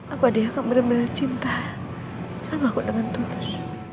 apa dia akan benar benar cinta sama kok dengan tuduh